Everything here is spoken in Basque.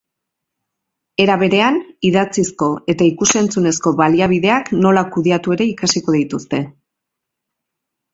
Era beran, idatzizko eta ikus-entzunezko baliabideak nola kudeatu ere ikasiko dituzte.